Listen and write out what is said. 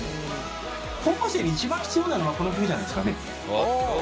高校生に一番必要なのはこの曲じゃないですかね。